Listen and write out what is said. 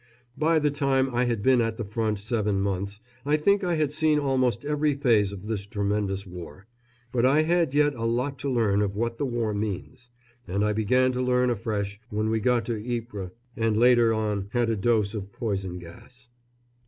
By the time I had been at the front seven months I think I had seen almost every phase of this tremendous war; but I had yet a lot to learn of what the war means, and I began to learn afresh when we got to Ypres and later on had a dose of poison gas.